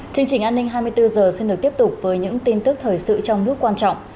chương trình an ninh hai mươi bốn h xin được tiếp tục với những tin tức thời sự trong nước quan trọng